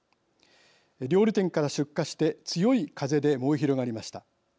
料理店から出火して強い風で燃え広がりました。